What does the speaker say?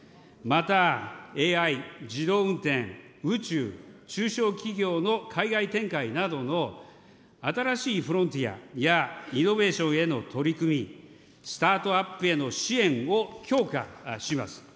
またＡＩ、自動運転、宇宙、中小企業の海外展開などの新しいフロンティアやイノベーションへの取り組み、スタートアップへの支援を強化します。